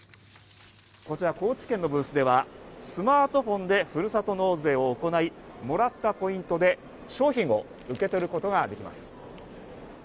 こちら、高知県のブースではスマートフォンでふるさと納税を行いもらったポイントで商品を受け取ることができます。